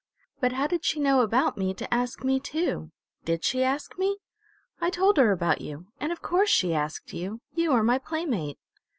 But how did she know about me to ask me too? Did she ask me?" "I told her about you. And of course she asked you. You are my playmate!"